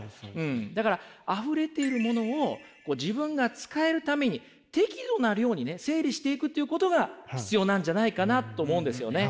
だからあふれているものを自分が使えるために適度な量にね整理していくということが必要なんじゃないかなと思うんですよね。